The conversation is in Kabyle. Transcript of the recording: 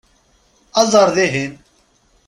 Aẓ ar dihin!